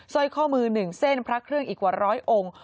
สร้อยข้อมือหนึ่งเส้นพลักเครื่องอีกกว่า๑๐๐องค์